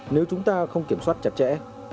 nếu chúng ta không kiểm soát chặt chẽ